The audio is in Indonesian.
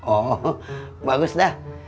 oh bagus dah